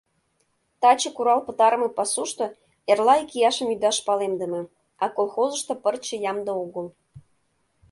— Таче курал пытарыме пасушто эрла икияшым ӱдаш палемдыме, а колхозышто пырче ямде огыл.